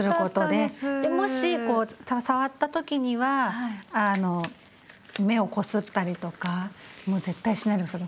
でもし触った時には目をこすったりとかもう絶対しないで下さい。